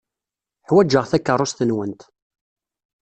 Ḥwajeɣ takeṛṛust-nwent.